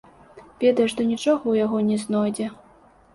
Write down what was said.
Ведае, што нічога ў яго не знойдзе.